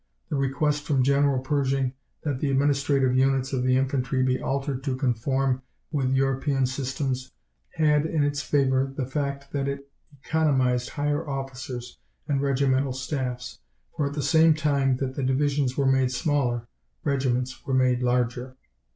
The request from General Pershing that the administrative units of the infantry be altered to conform with European systems had in its favor the fact that it economized higher officers and regimental staffs, for at the same time that divisions were made smaller, regiments were made larger.